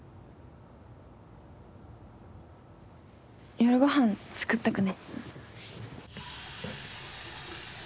夜ご飯作っとくね。